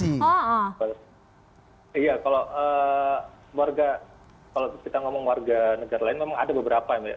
iya kalau warga kalau kita ngomong warga negara lain memang ada beberapa